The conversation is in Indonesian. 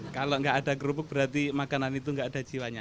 kalau nggak ada kerupuk berarti makanan itu nggak ada jiwanya